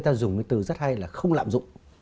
ta dùng cái từ rất hay là không lạm dụng